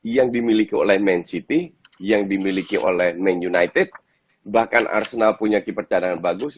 yang dimiliki oleh man city yang dimiliki oleh man united bahkan arsenal punya keeper cadangan bagus